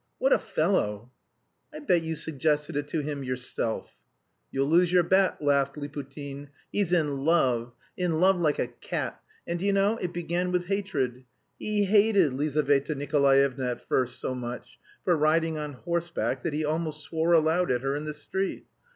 What a fellow!" "I bet you suggested it to him yourself." "You'll lose your bet," laughed Liputin. "He's in love, in love like a cat, and do you know it began with hatred. He hated Lizaveta Nikolaevna at first so much, for riding on horseback that he almost swore aloud at her in the street.